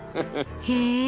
へえ。